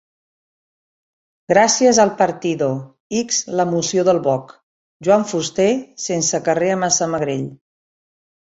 Gràcies al 'Partido', ix la moció del 'Boc': Joan Fuster, sense carrer a Massamagrell.